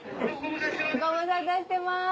ご無沙汰してます。